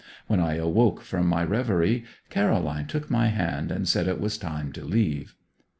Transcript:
When I awoke from my reverie Caroline took my hand and said it was time to leave.